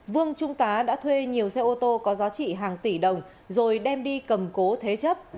vương trung tá đã thuê nhiều xe ô tô có giá trị hàng tỷ đồng rồi đem đi cầm cố thế chấp